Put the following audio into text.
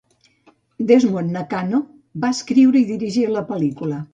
Desmond Nakano va escriure i dirigir la pel·lícula.